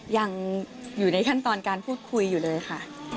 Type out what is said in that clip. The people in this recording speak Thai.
ยังอยู่ในขั้นตอนการพูดคุยอยู่เลยค่ะ